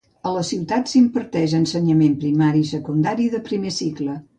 A la ciutat s'imparteix ensenyament primari i secundari de primer cicle.